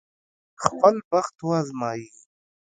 خپل بخت وازمايي.